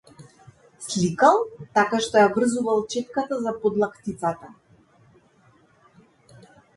Сликал така што ја врзувал четката за подлактицата.